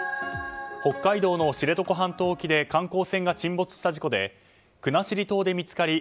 北海道の知床半島沖で観光船が沈没した事故で国後島で見つかり